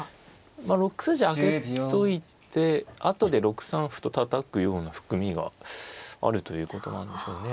まあ６筋上げといて後で６三歩とたたくような含みがあるということなんでしょうね。